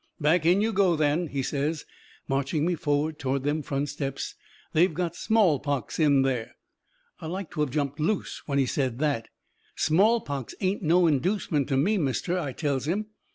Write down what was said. "Back in you go, then," he says, marching me forward toward them front steps, "they've got smallpox in there." I like to of jumped loose when he says that. "Smallpox ain't no inducement to me, mister," I tells him.